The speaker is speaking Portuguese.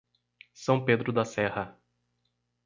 São Pedro da Serra